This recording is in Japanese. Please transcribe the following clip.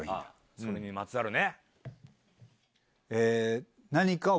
それにまつわるね！